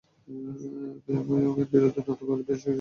পিয়ংইয়ংয়ের বিরুদ্ধে নতুন করে বেশ কিছু কঠোর অবরোধ আরোপ করে জাতিসংঘ।